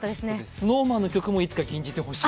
ＳｎｏｗＭａｎの曲もいつか吟じてほしい。